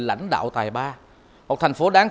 lãnh đạo tài ba một thành phố đáng